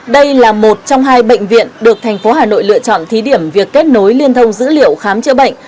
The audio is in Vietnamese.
đây là một trong hai bệnh viện được thành phố hà nội lựa chọn thí điểm việc kết nối liên thông dữ liệu khám chữa bệnh